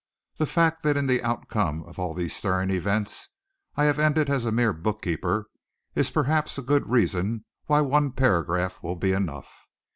The fact that in the outcome of all these stirring events I have ended as a mere bookkeeper is perhaps a good reason why one paragraph will be enough.